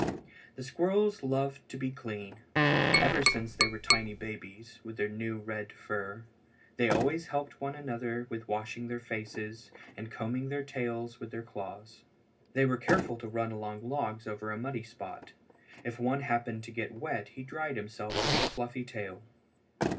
The squirrels loved to be clean. Ever since they were tiny babies, with their new red fur, they always helped one another with washing their faces, and combing their tails with their claws. They were careful to run along logs over a muddy spot. If one happened to get wet he dried himself with his fluffy tail.